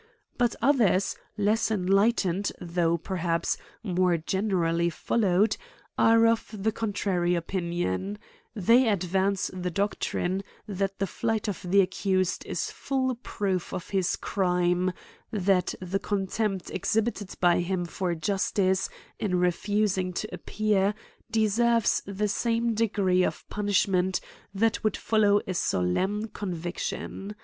But othersyless enlightened, though, per haps, more generally folio wed, are of the contra ry opinion : they advance the doctrine, that the flight of the accused is full proof of his crime that the contempt exhibited by him for justice, in refusing to appear, deserves the same degree of punishment that would follow a solemn convic tion.